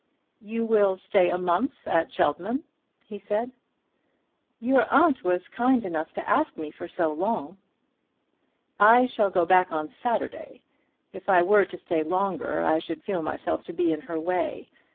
"You will stay a month at Cheltenham?" he said. "Your aunt was kind enough to ask me for so long." "I shall go back on Saturday. If I were to stay longer I should feel myself to be in her way.